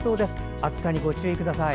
暑さにご注意ください。